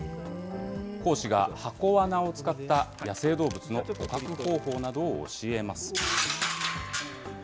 講師が箱わなを使った野生動物の捕獲方法などを教えます。